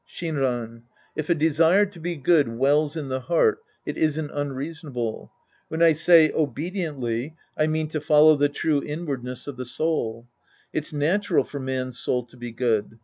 Shinran. If a desire to be good wells in the heart, it isn't unreasonable. When I say " obediently ", I mean to follow the true inwardness of the soul. It's natural for man's soul to be good.